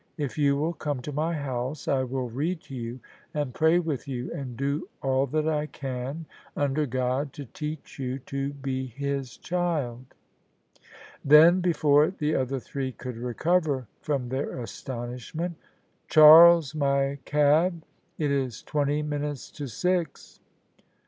If you will come to my house I will read to you and pray with you and do all that I can — ^under God — to teach you OF ISABEL CARNABY to be His child." Then, before the other three could recover from their astonishment, " Charles, my cab. It is twenty minutes to six."